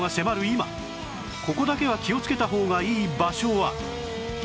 今ここだけは気をつけた方がいい場所は？